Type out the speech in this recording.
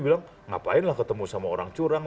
bilang ngapain lah ketemu sama orang curang